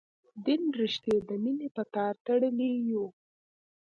دین رشتې د مینې په تار تړلي یو.